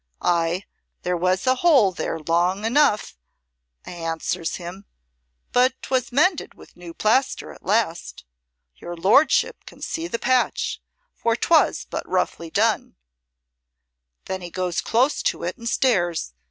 'Ay, there was a hole there long enough,' I answers him, 'but 'twas mended with new plaster at last. Your lordship can see the patch, for 'twas but roughly done.' Then he goes close to it and stares.